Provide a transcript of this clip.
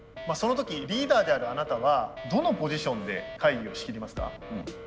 その時リーダーであるあなたはどのポジションで会議を仕切りますか？